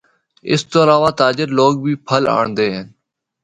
اس تو علاوہ تاجر لوگ بھی پھل آنڑدے ہن۔